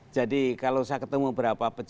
jadi kalau saya ketemu berapa berapa orang